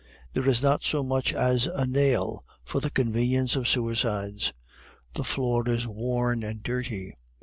There is not so much as a nail for the convenience of suicides. The floor is worn and dirty.